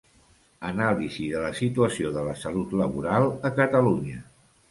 Anàlisi de la situació de la salut laboral a Catalunya.